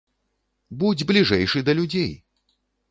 Будзь бліжэйшы да людзей!